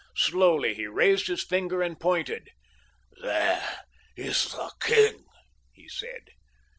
Slowly he raised his finger and pointed. "There is the king," he said.